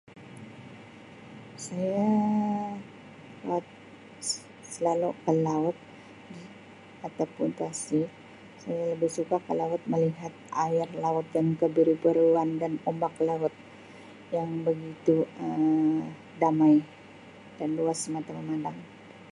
Saya up-s-selalu ke laut di-ataupun tasik. Saya lebih suka ke laut melihat air laut dan kebiru-biruan dan ombak laut yang begitu Um damai dan luas mata memandang.